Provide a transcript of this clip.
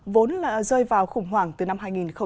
vốn là rơi vào khủng hoảng từ năm hai nghìn một mươi